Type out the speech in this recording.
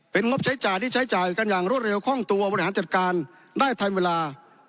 งบใช้จ่ายที่ใช้จ่ายกันอย่างรวดเร็วคล่องตัวบริหารจัดการได้ทันเวลา